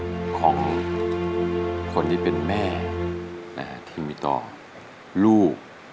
ของคนที่เป็นแม่ที่มีต่อลูก